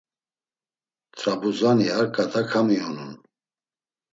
T̆rabuzani ar ǩata komiyonun.